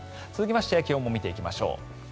続きまして気温も見ていきましょう。